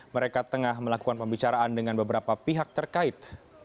mereka tengah melakukan pembicaraan dengan beberapa pihak terkait